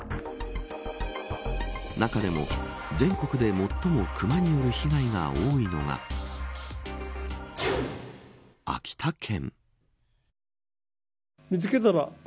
中でも全国で最も熊による被害が多いのが秋田県。